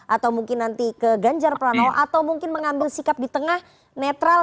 atau mungkin nanti ke ganjar pranowo atau mungkin mengambil sikap di tengah netral